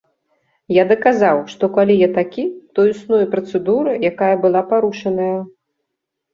Я даказаў, што калі я такі, то існуе працэдура, якая была парушаная.